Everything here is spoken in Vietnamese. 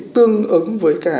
tương ứng với cả